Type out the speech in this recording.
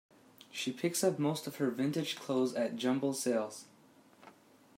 She picks up most of her vintage clothes at jumble sales